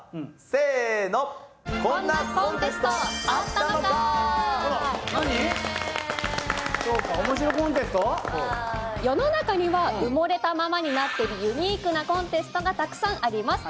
世の中には埋もれたままになってるユニークなコンテストがたくさんあります